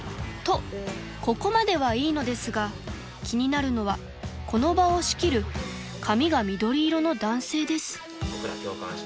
［とここまではいいのですが気になるのはこの場を仕切る髪が緑色の男性です］